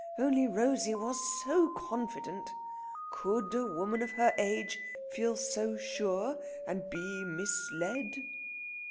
Only Rosey was so confident.... Could a woman of her age feel so sure and be misled?"